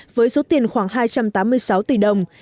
với số tiền khoảng hai trăm tám mươi sáu tỷ đồng